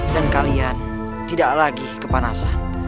dan kalian tidak lagi kepanasan